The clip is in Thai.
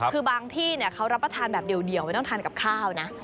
คือบางที่เขารับประทานแบบเดี่ยวไม่ต้องทานกับข้าวนะ